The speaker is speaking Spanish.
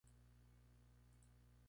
Nacida en la Prefectura de Aichi.